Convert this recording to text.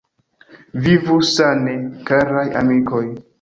Vivu sane, karaj amikoj!